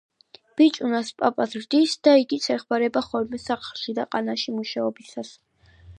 ბიჭუნას პაპა ზრდის და იგიც ეხმარება ხოლმე სახლში და ყანაში მუშაობისას.